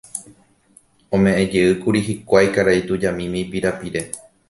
Ome'ẽjeýkuri hikuái karai tujamíme ipirapire